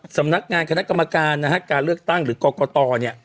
สำนักงานคณะกรรมการนะฮะการเลือกตั้งหรือกรกตเนี่ย